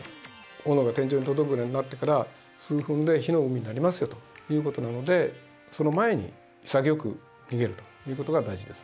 炎が天井に届くようになってから数分で火の海になりますよということなのでその前に潔く逃げるということが大事です。